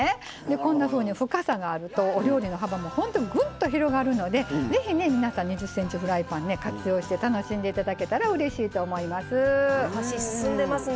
こんなふうに深さがあるとお料理の幅も広がるのでぜひ２０ｃｍのフライパン活用して楽しんでいただけたらと箸、進んでますね。